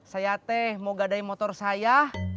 saya teh mau gadai motor saya